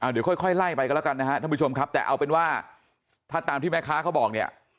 เดี๋ยวค่อยไล่ไปกันแล้วกันนะครับท่านผู้ชมครับแต่เอาเป็นว่าถ้าตามที่แม่ค้าเขาบอกเนี่ย